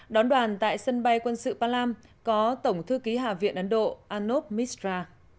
đón đoàn tại sân bay quân sự palam có tổng thư ký hạ viện ấn độ anov misra